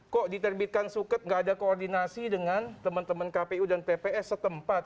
kok diterbitkan suket nggak ada koordinasi dengan teman teman kpu dan pps setempat